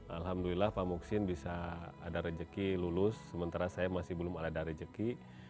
alhamdulillah pak muksin bisa ada rezeki lulus sementara saya masih belum ada rejeki